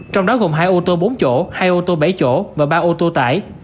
trong đó gồm hai ô tô bốn chỗ hai ô tô bảy chỗ và ba ô tô tải